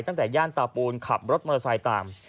ย่านตาปูนขับรถมอเตอร์ไซค์ตาม